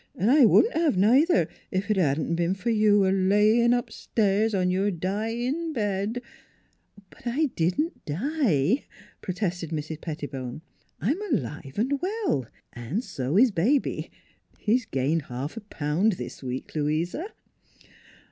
An' I wouldn't 'ave neither, ef it hadn't 'a' be'n fer you a layin' upstairs on your dyin' bed "" But I didn't die," protested Mrs. Pettibone. " I'm alive and well, and so is Baby. He's gained half a pound this week, Louisa."